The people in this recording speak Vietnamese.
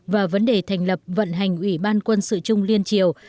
và vấn đề thành lập vận hành ủy ban quân sự chung liên triều